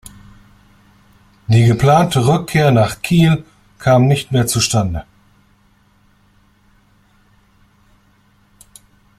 Die geplante Rückkehr nach Kiel kam nicht mehr zustande.